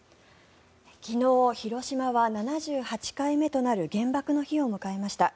昨日、広島は７８回目となる原爆の日を迎えました。